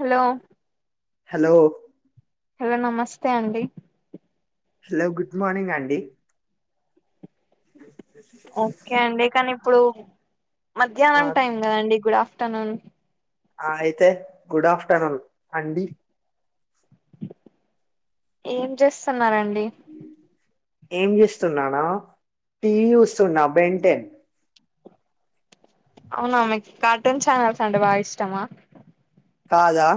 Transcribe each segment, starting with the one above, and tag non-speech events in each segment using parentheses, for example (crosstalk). Hello hello hello నమస్తే అండి hello good morning అండి ఓకే అండి కానీ ఇప్పుడు ఆ మధ్యాహ్నం టైం కదండి గూడ తనను అయితే గుడ్ ఆఫ్టర్నూన్ అండి ఏం చేస్తున్నారండి ఏం చేస్తున్నానా టీవి చూస్తున్నా బెంటెన్ అవునా మీకు కార్టూన్ ఛానల్స్ అంటే బాగా ఇష్టమా కాదా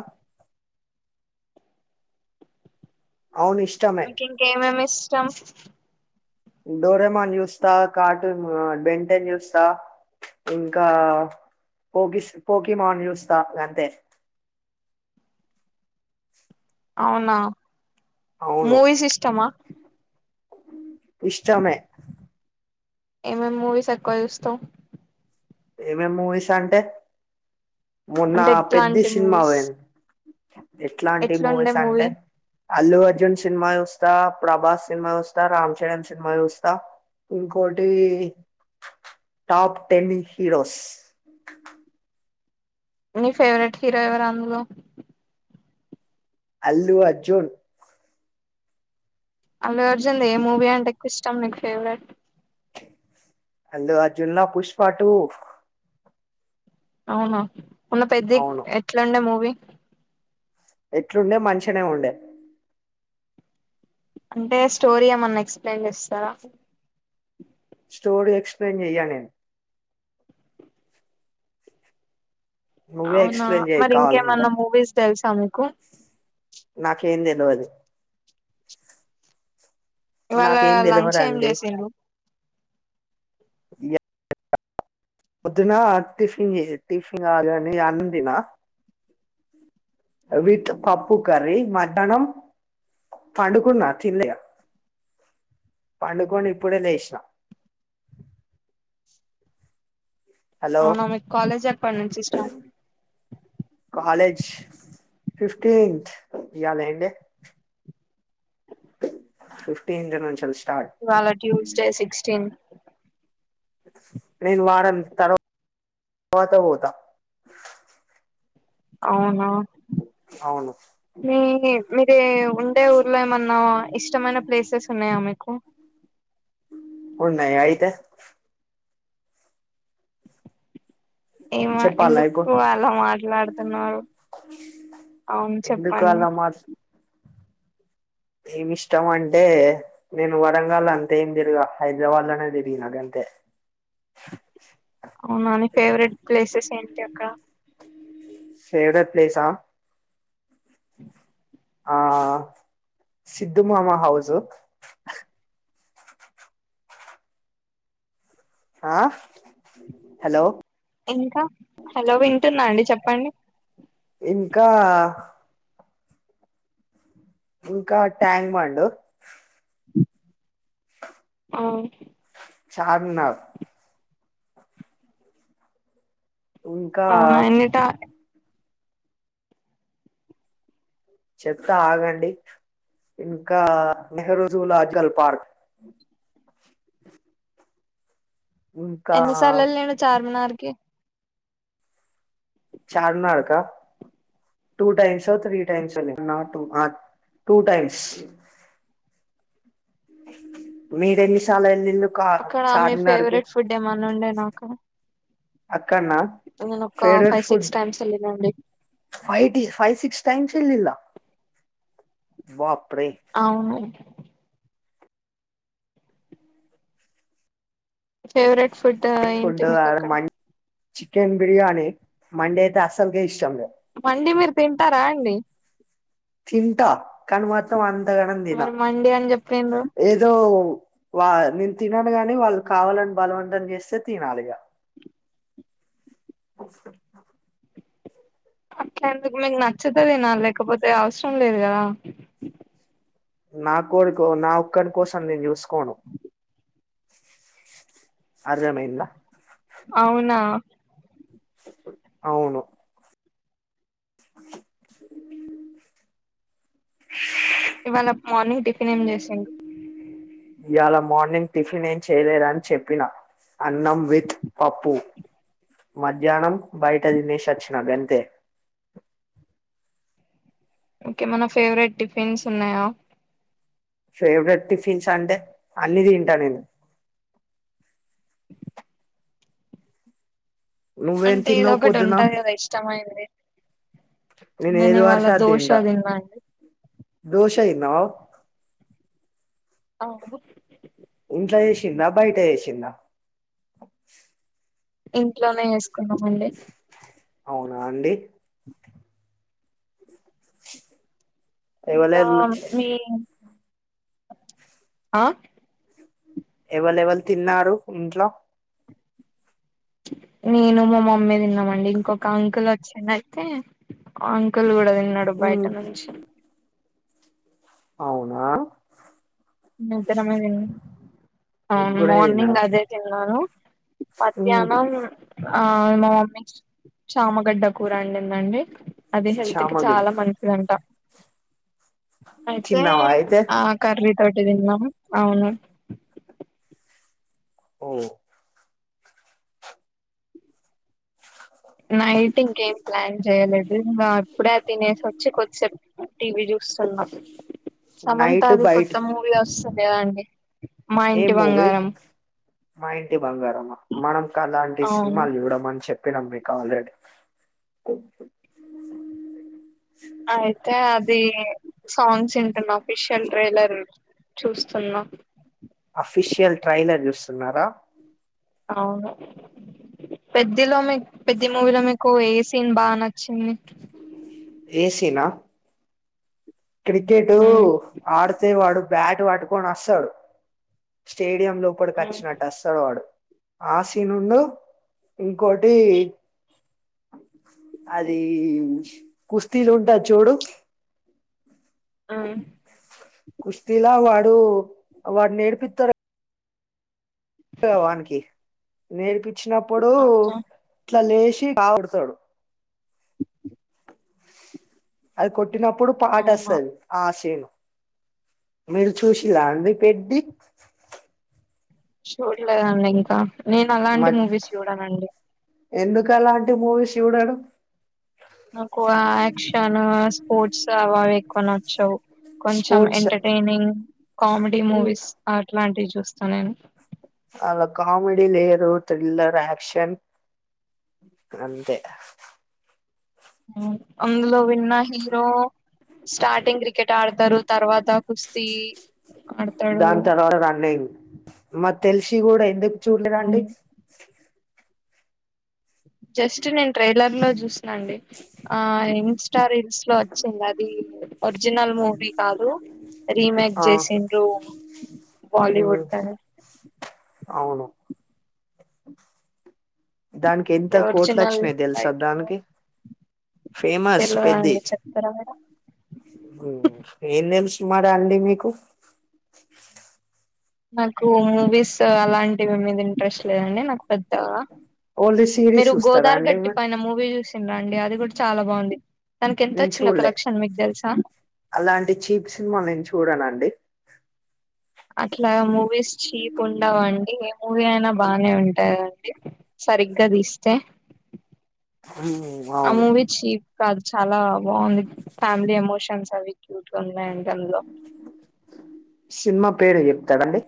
అవును ఇష్టమే మీకు ఇంకేమేమి ఇష్టం డోరమాన్ చూస్తా కార్టూన్ బడెంటె చూస్తా ఇంకా పోకిస్ పోకి మాన్ చూస్తా అంతే అవునా అవును మూవీస్ ఇష్టమా ఇష్టమే ఏమేం మూవీస్ ఎక్కువ చూస్తావ్ ఏమేమీ మూవీస్ అంటే మొన్న అంటే పెద్ది ఎట్లాంటి సినిమా మూవీస్ పోయినా ఎట్లాంటి ఎట్లుండే మూవీస్ మూవీ అంటె అల్లు అర్జున్ సి సినిమా చూస్తా ప్రభాస్ సినిమా చూస్తా రామ్ చరణ్ సినిమా చూస్తా ఇంకోటి టాప్ టెన్ ఇ హీరోస్ నీ ఫేవరెట్ హీరో ఎవరు అందులో అల్లు అర్జున్ అల్లు అర్జున్ ఏ మూవీ అంటే ఎక్కువ ఇష్టం నీకు ఫేవరెట్ అల్లు అర్జున్ లా పుష్పాటుూ అవునా మొన్న పెద్ది అవును ఎట్లాండే మూవీ ఎట్లుండే మంచినే ఉండే అంటే స్టోరీ ఏమన్నా ఎక్స్ప్లెయిన్ చేస్తారా స్టోరీ ఎక్స్ప్లెయిన్ జెయ్య నేను నువ్వే అవునా ఎక్స్ప్లెయిన్ చేయి మరి కావాలంటె ఇంకేమన్నా మూవీస్ తెలుసా మీకు నాకేంద్ నో అది ఇవాళ నాకేం లంచ్ ఏం తెలవదండి చేసిండు జీయా పొద్దున టిఫ్న్ జెస్ టిఫిన్ కాదుగాని అన్నం తిన్న విత్ పప్పు కర్రి మటను పాండుకున్నా తిన్నాగ పండుకొని ఇప్పుడే లేసిన హలో అవునా మీకు కాలేజ్ ఎప్పటి నుంచి స్టార్ట్ కాలేజ్ ఫిఫ్టీన్త్ ఎయాల ఏం డే ఫిఫ్టీన్జి వాచ్ వాళ్ళ ట్యూస్డే సిక్స్టీన్ నేను వారం తర్వా తర్వాత పోతా అవునా అవును మీ మీర ఉండే ఊర్లో ఏమన్నా ఇష్టమైన ప్లేసెస్ ఉన్నాయా మీకు ఉన్నాయ్ అయితే ఏమ చెప్పాలా ఎందుకు ఇప్పుడు అలా మాట్లాడుతున్నారు. అవును ఎందుకు చెప్పండి అలా మాట్లా (inaudible) ఏమి ఇష్టం అంటే నేను వరంగల్ అంతే ఏం తిరిగా హైదరాబాద్ లోనే తిరిగిన తే అవునా నీ ఫేవరెట్ ప్లేసెస్ ఏంటి అక్కడ ఫేవరెట్ ప్లేసా ఆ సిద్ధు మామ హౌస్ హ హలో ఇంకా హలో వింటున్నా అండి చెప్పండి ఇంకా ఇంకా ట్యాంక్ బండు ఆ చార్మినార్ ఇంకా అవునా ఎన్నిట చెప్తా ఆగండి ఇంకా నెహ్రూ జూలాజికల్ పార్క్ ఇంకా ఎన్ని సార్ను ఎలుండు చార్మినార్కి చార్మినార్ కా టూ టైమ్స్ తీ టైమ్స్ ఆ టూస్ ఆ టూ టైమ్స్ మీ ఎన్ని సాలు ఏళీలులు అక్కడ మీ ఫేవరెట్ ఫుడ్ ఏమన్నా ఉండేనా అక్కడ అక్కడనా నేను ఒక ఫైవ్ సిక్స్ టైమ్స్ వెళ్ళినండి ఫైవ్టి ఫైవ్ సిక్స్ టైమ్స్ ఏలీలా వా అవునండి ఫేవరెట్ ఫుడ్ ఫుడ్ ఏంటి మీకు అక్కడ చికెన్ బిర్యానీ మండే అయితే అసల్కె ఇష్ట మండి మీరు తింటారా అండి కనీ మత్రం అంతకనం తిన్న మరి మండి అని చెప్పిండ్రు ఏదో వా నేను తినను గాని వాళ్ళు కావాలని బలవంతం చేస్తే తినాలి ఇగా అ అట్లా ఎందుకు మీకు నచ్చితే తినాలి లేకపోతే అవసరం లేదు కదా నా కోడికో నా ఒక్కడికోసం నేను చూసుకోను అర్ధం అయిందా అవునా? అవును ఇవాళ మార్నింగ్ టిఫిన్ ఏం చేసిండ్రు ఇయాల మార్నింగ్ టిఫిన్ ఏం చేయలేదు అని చెప్పినా అన్నం విత్ పప్పు మధ్యాహ్నం బయట తినేసి వచ్చిన గంతే ఓకే ఏమన్నా ఫేవరెట్ టిఫిన్స్ ఉన్నాయా ఫేవరెట్ టిఫిన్స్ అంటే అన్ని తింటా నేను నువ్వేం అంటే ఏదో తిన్నావు ఒకటి పొద్దున ఉంటది కదా ఇష్టమైనది నేను ఏది వరస ఇవాళ దోష తిన్నా అండి దోష తిన్నావా? అవును ఇంట్లో చేశిందా బైట చేశిందా? ఇంట్లోనే వేసుకున్నామండి అవునా అండి ఇంకా ఎవలెవల్ మీ హ ఎవల ఎవల్ తిన్నారు ఇంట్లో నేను మా మమ్మీ తినం అండి ఇంకొక అంకుల్ వచ్చిండు ఐతే అంకుల్ కూడా తిన్నాడు బయట ఉమ్. నుంచి అవునా మేం ఇద్దరమే తిన్నాము ముగ్గురే మార్నింగ్ తిన్నారు అదే తినాను ఉమ్. మధ్యాహ్నం ఆ మా మమ్మీ చామ గడ్డ కూర వండింది అండి అది హెల్త్ కి చామగిల్ చాలా మంచిదంట అయితే తిన్నావా అయితే ఆ కర్రీ బైట్ తినం అవును ఓ నైట్ ఇంకేం ప్లాన్ చేయలేదు ఇంకా ఇపుడే తినేసి వచ్చి కొద్దిసేపు టీవీ చూసి చ్చుస్తున్నా సమంత నైట్ ది బయట కొత్త మూవీ వస్తుంది కదండీ మా ఏం ఇంటి మూవీ బంగారం మా ఇంటి బంగారమా మనం అలాంటి అవును సినిమాలు చూడం అని చెప్ నామ్ ఆల్రెడీ ఇది సాంగ్స్ వింటున్న ఆఫీషీయల్ ట్రైలర్ చూస్తున్నా అఫీషియల్ ట్రైలర్ చూస్తున్నారా? అవును పెద్దిలో మీక్ పెద్ది మూవీలో మీకు ఏ సీన్ బాగా నచ్చింది ఏ సీన్ అ? క్రికెట్ ఉమ్ ఆడితే వాడు బ్యాట్ పట్టుకని వస్తాడు స్టేట్ డియం లోపడికి ఉమ్ వచ్చినట్టు వస్తాడు వాడు అ సీన్ ఉండు ఇంకోటి అది కుస్తీలు ఉంటది చూడు ఉమ్, కుస్తీ లా వాడు వాడిని ఏడిపితా రు వానికి నేర్పచ్చినప్పుడు ఓకే ఇట్లా లేచి చి బావొడుతాడు అది కొట్టినప్పుడు అవునా పాటొస్తది ఆషెను మీరు చూషిల్ల అండి పెద్ది చూల్లేదండి ఇంకా నేను అలాంటి మూవీస్ జూడనండి ఎందుకలాంటి మూవీష్ జూడడు నాకు ఆ యాక్షను స్పోర్ట్స్ అవావి ఎక్కువ నచ్చవు కొంచెం స్పోర్ట్స్ ఎంటర్టైనింగ్ కామెడీ మూవీస్ అట్లాంటివి జుస్తా నేను అలా కామెడీ లేదు థ్రిల్లర్ యాక్షన్ అంతే అందులో విన్న హీరో స్టార్టింగ్ క్రికెట్ ఆడతరు తర్వాత కుస్తీ ఆడతాడు దాంతర్వత ఆన్నే మర్ తెల్షీగూడ ఎందుకు చూడలేదండి అవును జష్ నేను ట్రైలర్ లో జూషినా అండి ఆ ఇన్స్టా రీల్సో వొచ్చింది అది ఒర్ జినల్ మూవీ కాదు రీమైక్ ఆ జేసిండ్రు మ్మ్ బాలివుడ్ కని అవును దానికి ఎంత అంటే కోట్లు ఒరిజినల్ వచ్చినాయ్ దెలుసా రైట్ దానికి ఫేమస్ తెల్వదండి చెప్తారా మీరు మీకు ఏమ్ దెలుసు మరా అండి మీకు నాకు మూవీస్ అలాంటివి మీద ఇంట్రెస్ట్ లేదండి నాకు పెద్దగా ఓన్లీ సిరీస్ మీరు చూస్తారా గోదారి అండి గట్టి పైన మూవీ చూసిండ్రా అండి అది గూడా చాలా బాంది తనకి నేను ఎంతొచ్చిందో చూడలే కలెక్షన్ మీకు దెల్సా అలాంటి చీప్ సినిమా నేను చూడనండి అట్లా మూవీస్ చీప్ ఉండవండి ఏ మూవీ అయినా బానే ఉంటాయ్ గదండి సరిగ్గా దీస్తే ఉమ్, ఆ అవును మూవీ చీఫ్ కాదు చాలా బాంది ఫ్యామిలీ ఎమోషన్స్ అవి క్యూట్ గా వున్నాయండి అందులో షినిమా పేరు జెప్తారండి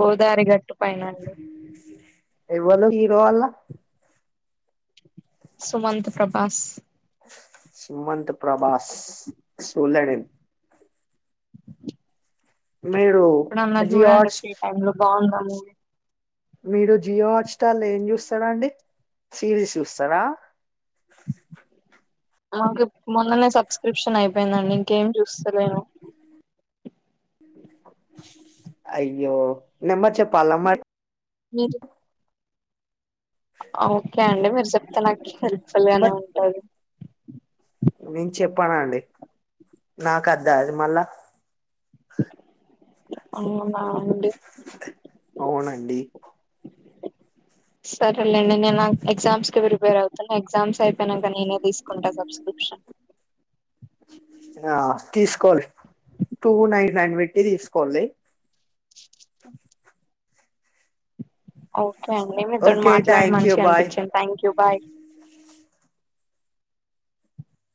గోదారిఘట్టు ఎవ్వలు హీరో వాల్ళ సుమంత్ ప్రభాస్ సుమంత్ ప్రభాస్ సూల్య నేన్ మీరు ఎప్పుడన్నా జియో జూడండి హాట్ ఫ్రీ టైం లో బాంద ఆ మూవీ మీరు జియో హాట్ స్టార్ లో ఏం చూస్తారా అండి సిరీస్ చూస్తారా మాకి మొన్ననే సబ్స్క్రిప్షన్ అయిపోయిందండి ఇంకేమ్ చూస్తలేను అయ్యో నెంబర్ చెప్పాల మరి మీరు ఆ ఓకే అండి మీరు చొప్తే నాకు హెల్ప్ఫుల్ గానే ఉంటాది నేన్ చెప్పనండి నాకద్ద అది మళ్ళా అవనా అండి అవునండి సరేలేండి నేను ఎగ్జామ్స్ కి ప్రిపేర్ అవుతున్నా ఎగ్జామ్స్ అయి కనక నేనే తీసుకుంటా సబ్స్క్రిప్షన్ ఆ తీసుకోవాలి టూ నైన్ నైన్ పెట్టి తీసుకోండి ఓకే అండి మీతోన్ ఓకే మాట్లాడి థ్యాంక్ యూ మంచిగా బాయ్ అనిపించింది థ్యాంక్ యూ బాయ్